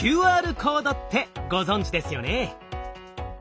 ＱＲコードってご存じですよね？